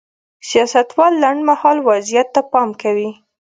سیاستوال لنډ مهال وضعیت ته پام کوي.